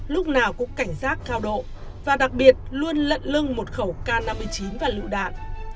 lúc nào cũng cảnh giác cao độ và đặc biệt luôn lật lưng một khẩu k năm mươi chín và lựu đạn